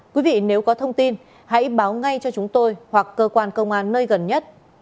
quý vị nếu có thông tin hãy báo ngay cho chúng tôi hoặc cơ quan công an nơi gần nhất